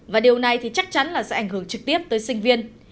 và điều này thì chắc chắn là sẽ ảnh hưởng trực tiếp tới sinh viên